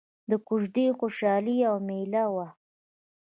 د کوژدې خوشحالي او ميله وه.